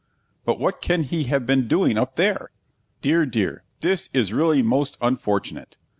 But what can he have been doing up there? Dear, dear, this is really most unfortunate.